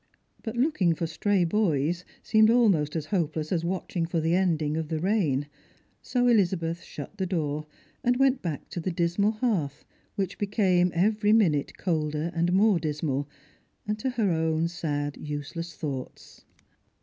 But looking for stray boys seemed almost as hopeless aa watching for the ending of the rain ; so Elizabeth shut the door, and went back to tlie dismal hearth, which became every minute colder and more dismal, and to her own sad useless thoughts.